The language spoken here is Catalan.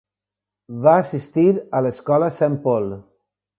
Va assistir a l'Escola Saint Paul.